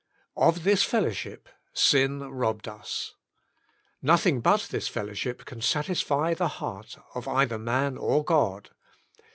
Ofjhis fellowship sin robbed us. Nothing but this fellowship can satisfy the heart of either man or God.